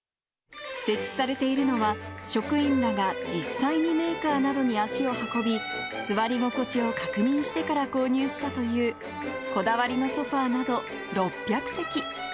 設置されているのは、職員らが実際にメーカーなどに足を運び、座り心地を確認してから購入したという、こだわりのソファなど６００席。